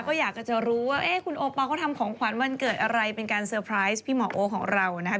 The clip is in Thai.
ก็อยากจะรู้ว่าคุณโอปอลเขาทำของขวัญวันเกิดอะไรเป็นการเซอร์ไพรส์พี่หมอโอของเรานะคะ